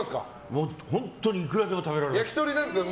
本当にいくらでも食べられる。